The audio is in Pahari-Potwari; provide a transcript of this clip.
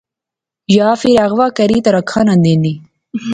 یا فیر اغوا کری تے رکھا ناں دینی